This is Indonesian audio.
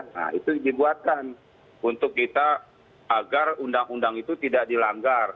nah itu dibuatkan untuk kita agar undang undang itu tidak dilanggar